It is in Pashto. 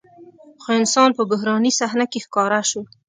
خو انسان په بحراني صحنه کې ښکاره شو.